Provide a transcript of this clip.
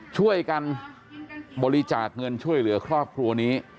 ช่วยกันบริจาคเงินช่วยเหลือครอบครัวนี้